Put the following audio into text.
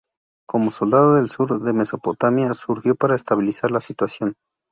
Como soldado del sur de Mesopotamia, surgió para estabilizar la situación.